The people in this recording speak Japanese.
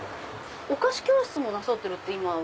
お菓子教室もなさってるって。